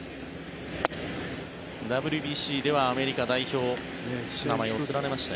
ＷＢＣではアメリカ代表名前を連ねまして。